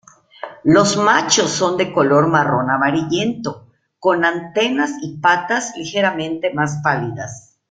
Los machos son de color marrón amarillento, con antenas y patas ligeramente más pálidas.